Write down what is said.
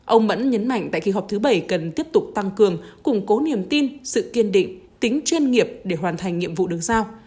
ông mẫn nhấn mạnh tại kỳ họp thứ bảy cần tiếp tục tăng cường củng cố niềm tin sự kiên định tính chuyên nghiệp để hoàn thành nhiệm vụ được giao